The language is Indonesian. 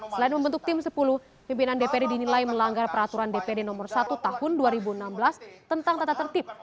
selain membentuk tim sepuluh pimpinan dpd dinilai melanggar peraturan dpd nomor satu tahun dua ribu enam belas tentang tata tertib